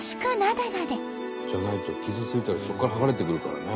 じゃないと傷ついたりそこから剥がれてくるからね。